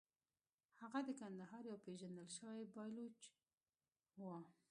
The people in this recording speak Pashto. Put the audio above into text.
هغه د کندهار یو پېژندل شوی پایلوچ و.